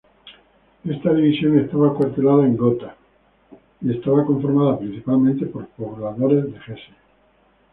Esta división estaba acuartelada en Gotha y estaba conformada principalmente por pobladores de Hesse.